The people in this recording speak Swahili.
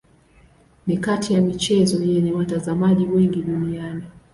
Ni kati ya michezo yenye watazamaji wengi duniani.